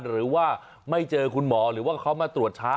หรือว่าไม่เจอคุณหมอหรือว่าเขามาตรวจช้า